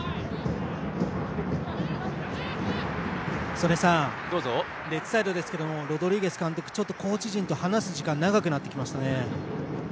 曽根さん、レッズサイドですがロドリゲス監督ちょっとコーチ陣と話す時間が長くなってきましたね。